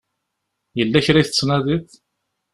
Yella kra i tettnadiḍ?